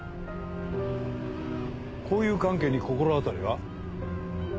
交友関係に心当たりは？